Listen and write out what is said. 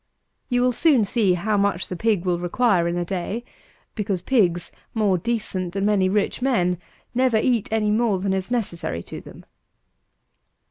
You will soon see how much the pig will require in a day, because pigs, more decent than many rich men, never eat any more than is necessary to them.